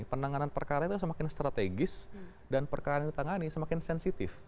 penanganan perkara itu semakin strategis dan perkara yang ditangani semakin sensitif